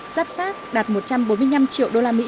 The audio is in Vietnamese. giáp sát đạt một trăm bốn mươi năm triệu usd